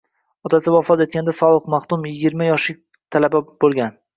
Otasi vafot etganda Solih maxdum “yigirma yoshlik talaba” bo’lgan.